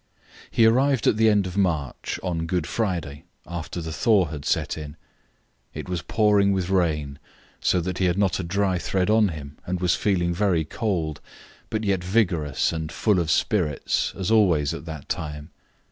He arrived at the end of March, on Good Friday, after the thaw had set in. It was pouring with rain so that he had not a dry thread on him and was feeling very cold, but yet vigorous and full of spirits, as always at that time.